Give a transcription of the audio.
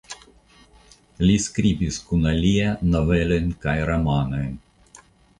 Li skribis kun alia novelojn kaj romanojn.